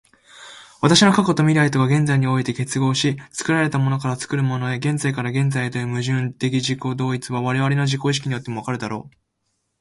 私の過去と未来とが現在において結合し、作られたものから作るものへ、現在から現在へという矛盾的自己同一は、我々の自己意識によっても分かるであろう。